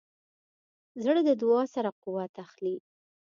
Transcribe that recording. زړه د دعا سره قوت اخلي.